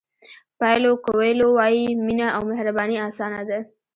پایلو کویلو وایي مینه او مهرباني اسانه ده.